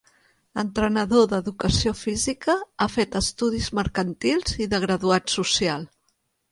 Entrenador d'educació física, ha fet estudis mercantils i de graduat social.